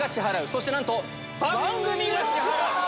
そしてなんと番組が支払う。